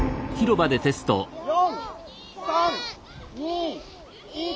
４３２１。